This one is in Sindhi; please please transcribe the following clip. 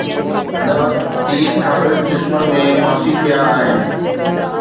هن وقت تير خالص جسمن ۾ ڦاسي پيا آهن